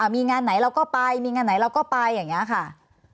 มีงานไหนเราก็ไปมีงานไหนเราก็ไปอย่างนี้ค่ะ